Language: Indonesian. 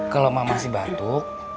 kalo mama masih batuk